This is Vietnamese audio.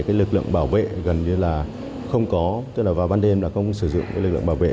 cái lực lượng bảo vệ gần như là không có tức là vào ban đêm là không sử dụng cái lực lượng bảo vệ